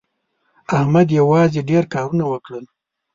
احمد یوازې ډېر کارونه وکړل.